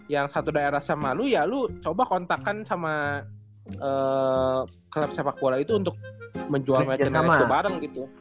yang satu daerah sama lu ya lu coba kontak kan sama klub sepak bola itu untuk menjual merchandise itu bareng gitu